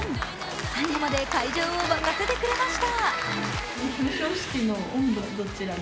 最後まで会場を沸かせてくれました。